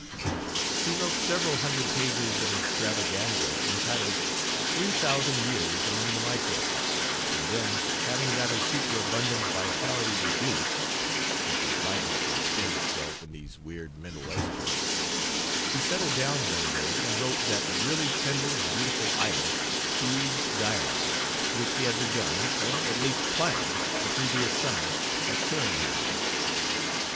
He wrote several hundred pages of an extravaganza entitled, Three Thousand Years Among the Microbes, and then, having got his superabundant vitality reduced (it was likely to expend itself in these weird mental exploits), he settled down one day and wrote that really tender and beautiful idyl, Eve's Diary, which he had begun, or at least planned, the previous summer at Tyringham.